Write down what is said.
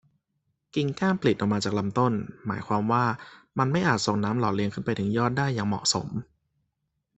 กิ่งก้านปลิดออกมาจากลำต้น หมายความว่ามันไม่อาจส่งน้ำหล่อเลี้ยงขึ้นไปถึงยอดได้อย่างเหมาะสม